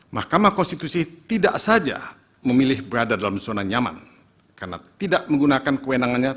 mahkamah konstitusi tidak saja memilih berada dalam zona nyaman karena tidak menggunakan kewenangannya